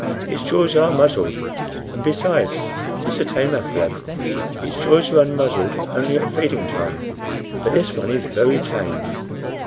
"Its jaws are muzzled, and, besides, it's a tame athaleb. Its jaws are unmuzzled only at feeding time. But this one is very tame.